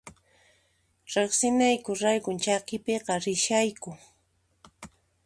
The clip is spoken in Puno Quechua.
Riqsinayku rayku chakipiqa rishayku